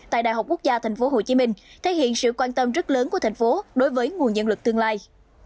tại đại học quốc gia tp hcm thể hiện sự quan tâm rất lớn của thành phố đối với nguồn nhân lực tương lai